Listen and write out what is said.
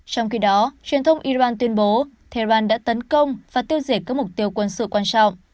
trong khi đó truyền thông iran tuyên bố tehran đã tấn công và tiêu diệt các mục tiêu quân sự quan trọng